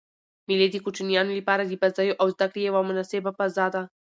مېلې د کوچنيانو له پاره د بازيو او زدکړي یوه مناسبه فضا ده.